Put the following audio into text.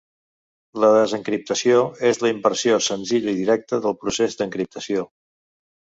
La desencriptació és la inversió senzilla i directa del procés d'encriptació.